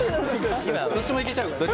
どっちも行けちゃうから。